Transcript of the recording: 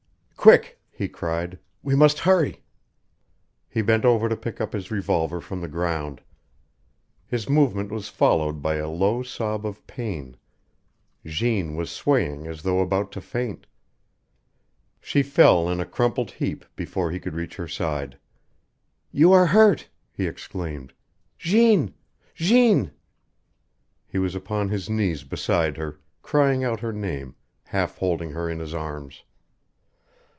"Quick!" he cried. "We must hurry!" He bent over to pick up his revolver from the ground. His movement was followed by a low sob of pain. Jeanne was swaying as though about to faint. She fell in a crumpled heap before he could reach her side. "You are hurt!" he exclaimed. "Jeanne! Jeanne!" He was upon his knees beside her, crying out her name, half holding her in his arms.